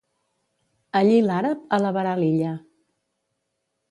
Allí l'àrab, alabarà l'illa.